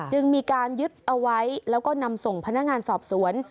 จึงมีการยึดเอาไว้แล้วก็นำส่งพนักงานสอบสวน